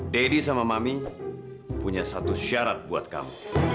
deddy sama mami punya satu syarat buat kamu